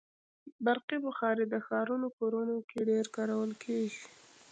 برقي بخاري د ښارونو کورونو کې ډېره کارول کېږي.